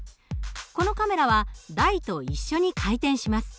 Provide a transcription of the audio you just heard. このカメラは台と一緒に回転します。